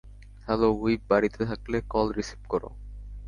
Hello, হুইপ, বাড়িতে থাকলে, কল রিসিভ করো।